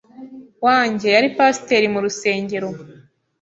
wanjye yari Pasteur mu rusengero